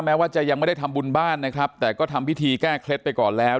ว่าจะยังไม่ได้ทำบุญบ้านนะครับแต่ก็ทำพิธีแก้เคล็ดไปก่อนแล้ว